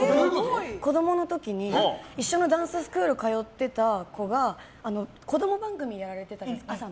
子供の時に一緒のダンススクール通ってた子が朝の子供番組をやられていたじゃないですか